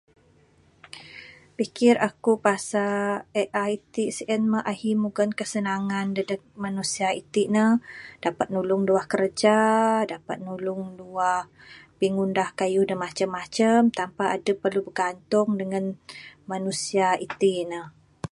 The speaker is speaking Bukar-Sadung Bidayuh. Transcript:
Pikir aku pasal AI ti sien mah ahi mugon kesenangan dadeg manusia iti ne dapat nulung luah kerja dapat nulung luah pingunah kayuh da macam macam tanpa adep perlu bergantung dangan manusia iti ne.